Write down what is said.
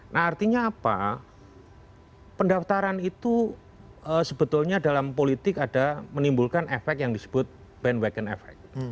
nah artinya apa pendaftaran itu sebetulnya dalam politik ada menimbulkan efek yang disebut bandwagon effect